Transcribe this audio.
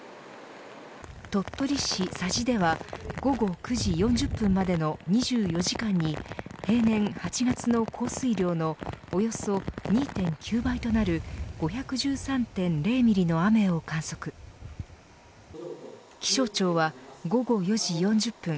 鳥取市佐治では午後９時４０分までの２４時間に平年８月の降水量のおよそ２．９倍となる５１３．０ミリの雨を観測し気象庁は午後４時４０分